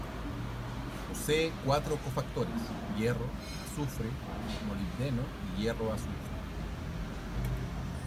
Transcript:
Posee cuatro cofactores: hierro, azufre, molibdeno y hierro-azufre.